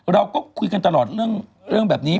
เราก็คุยกันตลอดเรื่องแบบนี้